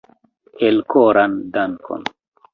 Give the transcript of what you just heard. Elkoran dankon